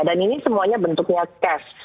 dan ini semuanya bentuknya cash